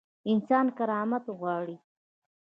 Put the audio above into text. انسان کرامت غواړي